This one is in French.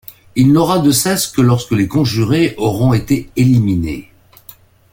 Il n'aura de cesse que lorsque les conjurés auront été éliminés.